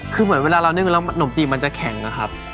คือเหมือนเวลาเรานึ่งแล้วขนมจีบมันจะแข็งนะครับ